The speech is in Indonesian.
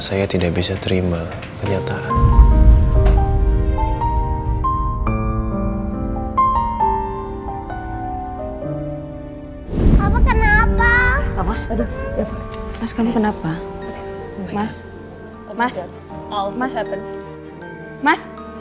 saya seperti membatgang bibir tukang hidungnyafsanya